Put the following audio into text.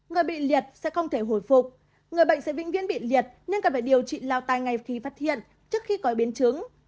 người bị liệt sẽ không thể hồi phục người bệnh sẽ vĩnh viễn bị liệt nên cần phải điều trị lao tay ngay khi phát hiện trước khi có biến chứng